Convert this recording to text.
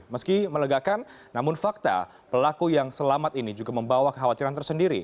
meski melegakan namun fakta pelaku yang selamat ini juga membawa kekhawatiran tersendiri